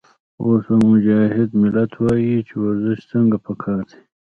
اوس به مجاهد ملت وائي چې ورزش څنګه پکار دے